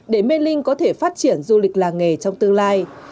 để mê linh có thể phát triển du lịch làng nghề trong tương lai